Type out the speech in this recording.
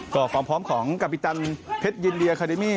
กล่อการพร้อมของกัปิตันเพจยินเดียแอคาเดมี